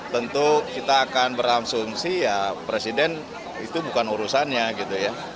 tentu kita akan berasumsi ya presiden itu bukan urusannya gitu ya